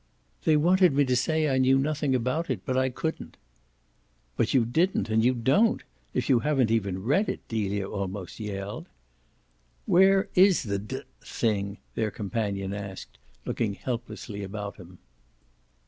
"They wanted me to say I knew nothing about it but I couldn't." "But you didn't and you don't if you haven't even read it!" Delia almost yelled. "Where IS the d d thing?" their companion asked, looking helplessly about him.